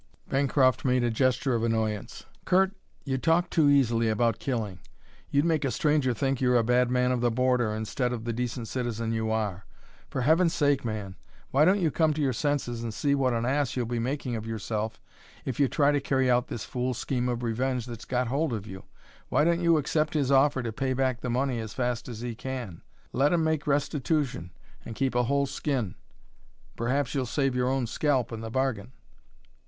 Bancroft made a gesture of annoyance. "Curt, you talk too easily about killing. You'd make a stranger think you're a bad man of the border, instead of the decent citizen you are. For Heaven's sake, man, why don't you come to your senses, and see what an ass you'll be making of yourself if you try to carry out this fool scheme of revenge that's got hold of you? Why don't you accept his offer to pay back the money as fast as he can? Let him make restitution, and keep a whole skin; perhaps you'll save your own scalp in the bargain."